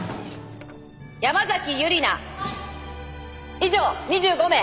以上２５名。